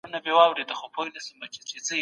موږ باید له خپلو ګاونډیانو سره ښې اړیکي ولرو.